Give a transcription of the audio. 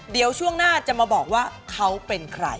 เดี๋ยวช่วงหน้าจะมาบอกว่าเขาเป็นใคร